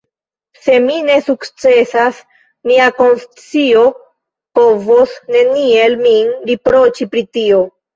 Se mi ne sukcesas, mia konscienco povos neniel min riproĉi pri tio.